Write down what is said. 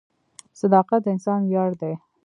• صداقت د انسان ویاړ دی.